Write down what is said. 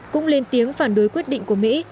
cũng lên tiếng phản đối quyết định của mỹ